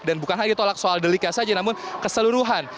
dan bukan hanya ditolak soal deliknya saja namun keseluruhan